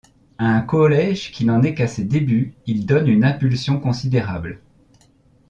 À un collège qui n’en est qu’à ses débuts, il donne une impulsion considérable.